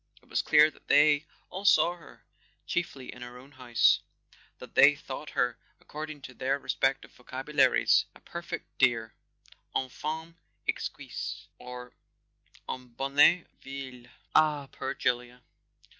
It was clear that they all saw her, chiefly in her own house, that they thought her, according to their respective vocabularies, " a per¬ fect dear," "une femme exquise " or "une bonne vieille" (ah, poor Julia!)